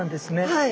はい。